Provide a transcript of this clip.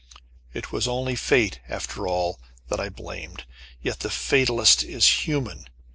It was only Fate after all, that I blamed, yet the fatalist is human.